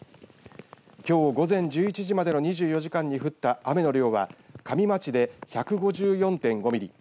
きょう午前１１時までの２４時間に降った雨の量は加美町で１５４．５ミリ